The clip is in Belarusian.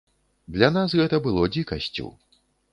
Для нас гэта было дзікасцю.